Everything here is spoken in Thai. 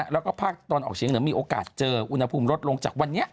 แล้วก็ภาคตะวันออกเฉียงเหนือมีโอกาสเจออุณหภูมิลดลงจากวันนี้